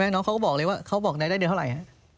น้องเขาก็บอกเลยว่าเขาบอกได้เดือนเท่าไหร่